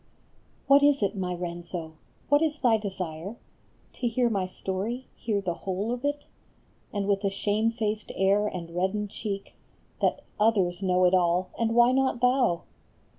HAT is it, my Renzo ? What is thy desire ? To hear my story, hear the whole of it ? And with a shamefaced air and reddened cheek That " others know it all, and why not thou?